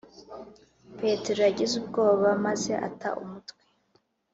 petero yagize ubwoba , maze ata umutwe